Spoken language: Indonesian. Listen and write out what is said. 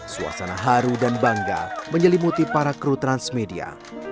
suasana haru dan bangga menyelimuti para kru transmedia